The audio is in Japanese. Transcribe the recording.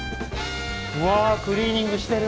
うわクリーニングしてる。